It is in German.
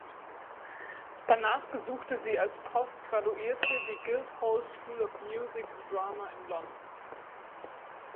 Danach besuchte sie als Postgraduierte die Guildhall School of Music and Drama in London.